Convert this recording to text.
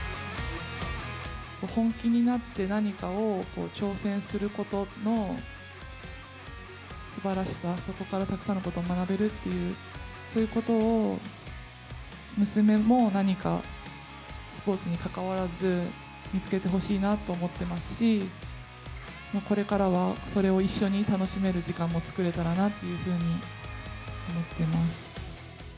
本気になって何かを挑戦することのすばらしさ、そこからたくさんのことを学べるっていう、そういうことを娘も何かスポーツにかかわらず、見つけてほしいなと思ってますし、これからはそれを一緒に楽しめる時間も作れたらなというふうに思ってます。